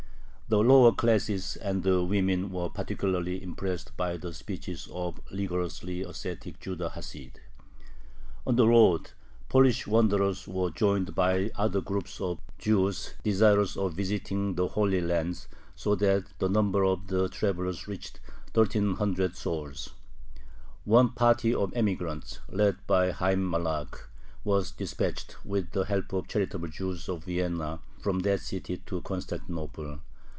The lower classes and the women were particularly impressed by the speeches of the rigorously ascetic Judah Hasid. On the road the Polish wanderers were joined by other groups of Jews desirous of visiting the Holy Land, so that the number of the travelers reached 1300 souls. One party of emigrants, led by Hayyim Malakh, was dispatched, with the help of charitable Jews of Vienna, from that city to Constantinople.